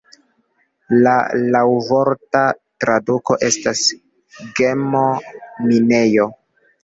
La laŭvorta traduko estas "gemo-minejo".